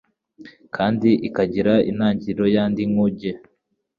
kandi ikagira intangiriro yandi nkuge